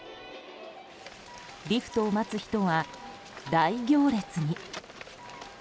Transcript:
リフトを待つ人は大行列に。